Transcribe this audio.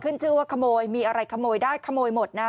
ชื่อว่าขโมยมีอะไรขโมยได้ขโมยหมดนะ